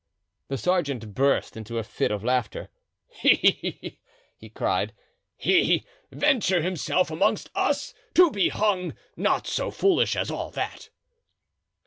The sergeant burst into a fit of laughter. "He!" he cried; "he venture himself amongst us, to be hung! Not so foolish as all that."